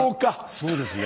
そうですね。